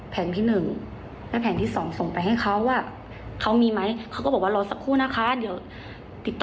แต่หลังจากนั้นซื้อเพิ่มอีก๓บาทก็คือเวลา๕ทุ่ม